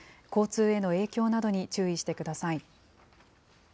交通への影響などに注意してください。